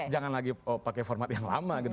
jangan lagi pakai format yang lama gitu